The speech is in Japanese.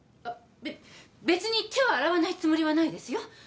あっべっ別に手を洗わないつもりはないですよ